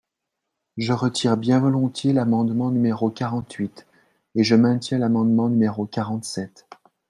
Je retire bien volontiers l’amendement numéro quarante-huit, et je maintiens l’amendement numéro quarante-sept.